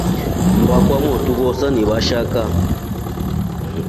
Mba kwamotu voose ni vashaka.